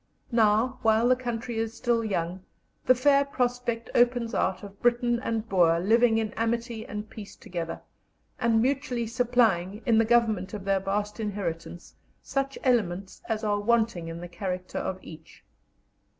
Now, while the country is still young, the fair prospect opens out of Briton and Boer living in amity and peace together, and mutually supplying, in the government of their vast inheritance, such elements as are wanting in the character of each.